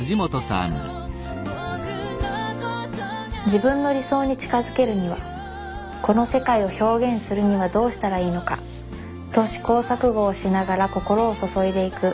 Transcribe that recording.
自分の理想に近づけるにはこの世界を表現するにはどうしたらいいのかと試行錯誤をしながら心を注いでいく。